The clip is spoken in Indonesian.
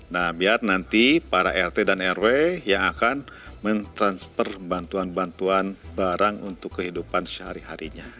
nah biar nanti para rt dan rw yang akan mentransfer bantuan bantuan barang untuk kehidupan sehari harinya